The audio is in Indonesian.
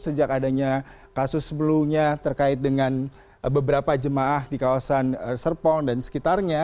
sejak adanya kasus sebelumnya terkait dengan beberapa jemaah di kawasan serpong dan sekitarnya